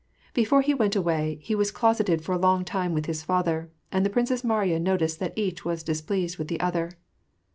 Before he went away, he was closeted for a long time with his father, and the Princess Mariya noticed that each was displeased with the other.